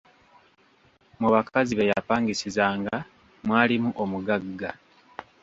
Mu bakazi be yapangisizanga mwalimu omugagga.